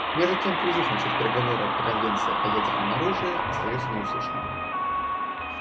Между тем призыв начать переговоры по конвенции о ядерном оружии остается неуслышанным.